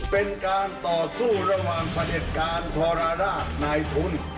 เป็นการต่อสู้ระหว่างพระเด็จการทรราชนายทุน